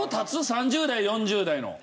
３０代４０代の。